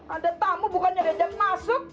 ada tamu bukannya diajak masuk